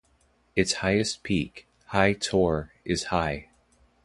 Its highest peak, High Tor, is high.